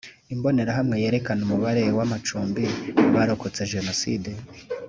Imbonerahamwe yerekana umubare w amacumbi abarokotse Jenoside